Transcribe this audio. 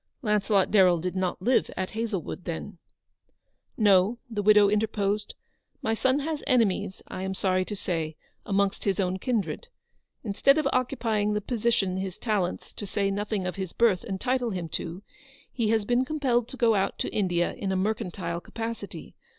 Launcelot Darrell did not live at Hazlewood, then. 264 ELEANORS VICTORY. "No," the widow interposed; "my son has enemies, I am sorry to say, amongst his own kindred. Instead of occupying the position his talents, to say nothing of his birth, entitle him to, he has been compelled to go out to India in a mercantile capacity.